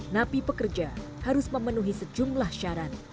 napi pekerja harus memenuhi sejumlah syarat